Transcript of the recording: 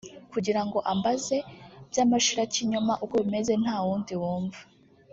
kugirango ambaze by’amashirakinyoma uko bimeze nta wundi wumva